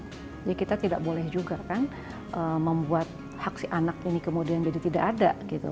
jadi kita tidak boleh juga kan membuat hak si anak ini kemudian jadi tidak ada gitu